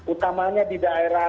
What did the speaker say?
utamanya di daerah